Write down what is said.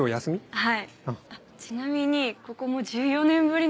はい。